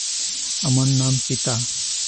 আমার নাম চিতা।